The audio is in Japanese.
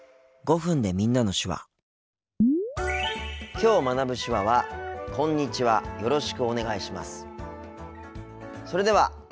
きょう学ぶ手話はそれでは。